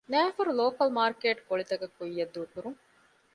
ނައިފަރު ލޯކަލް މާރުކޭޓް ގޮޅިތައް ކުއްޔަށް ދޫކުރުން